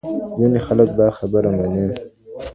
ځینې خلک دا خبره مني.